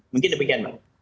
mungkin demikian mbak